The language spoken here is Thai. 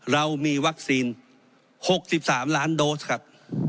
เรามีวัคซีน๖๓ล้านโดสครับ